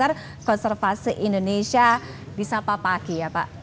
direktur konservasi indonesia di sapa paki ya pak